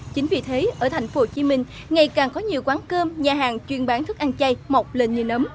chính vì thế ở thành phố hồ chí minh ngày càng có nhiều quán cơm nhà hàng chuyên bán thức ăn chay mọc lên như nấm